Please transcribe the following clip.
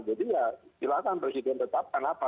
jadi ya silakan presiden tetapkan apa